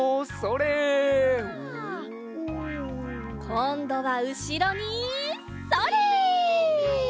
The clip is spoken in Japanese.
こんどはうしろにそれ！